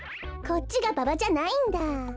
こっちがババじゃないんだ。